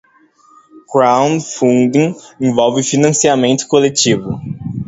Crowdfunding envolve financiamento coletivo.